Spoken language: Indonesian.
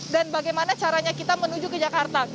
dan bagaimana caranya kita menuju ke jakarta